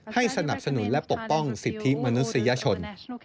สนับสนุนและปกป้องสิทธิมนุษยชน